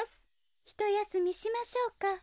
・ひとやすみしましょうか。